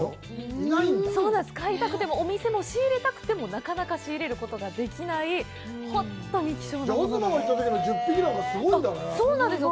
買いたくても、お店に仕入れたくてもなかなか仕入れることができない本当に希少なものなんです。